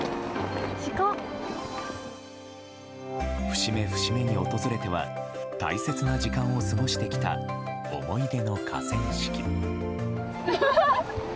節目節目に訪れては大切な時間を過ごしてきた思い出の河川敷。